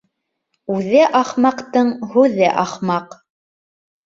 Үҙе ахмаҡтың һүҙе ахмаҡ.